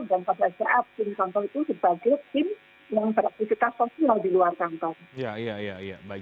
pada saat tim kantor itu sebagai tim yang beraktivitas sosial di luar kantor